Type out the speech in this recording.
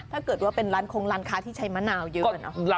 ถ้าเกิดว่าเป็นคนลานคล้าที่ใช้มะนาวเยอะ